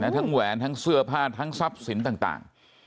แหวนทั้งเสื้อผ้าทั้งทรัพย์สินต่าง